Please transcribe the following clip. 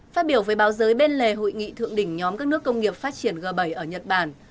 phát biểu với báo giới bên lề hội nghị thượng đỉnh nhóm các nước công nghiệp phát triển g bảy ở nhật bản